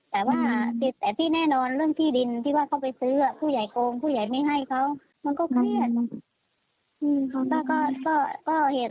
แต่ว่าแต่ที่แน่นอนเรื่องที่ดินที่ว่าเขาไปซื้อผู้ใหญ่โกงผู้ใหญ่ไม่ให้เขามันก็เครียด